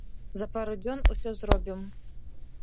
За пару дзён усё зробім.